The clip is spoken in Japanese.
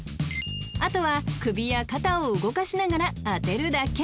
［あとは首や肩を動かしながら当てるだけ］